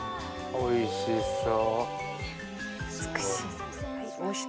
おいしそう！